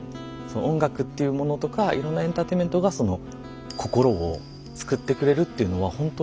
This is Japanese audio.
音楽っていうものとかいろんなエンターテインメントが心を救ってくれるっていうのはほんとにあるんだなっていう。